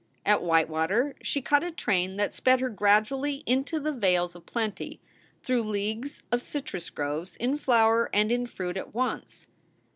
At Whitewater she caught a train that sped her gradu ally into the vales of plenty, through leagues of citrus groves in flower and in fruit at once.